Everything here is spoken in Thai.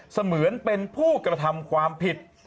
เสมือนเป็นผู้กระทำความผิด